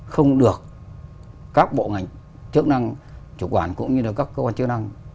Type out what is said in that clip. không được các bộ ngành chức năng chủ quản cũng như là các cơ quan chức năng